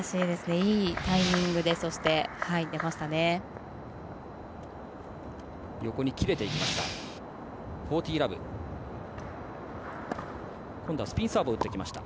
いいタイミングで入ってました。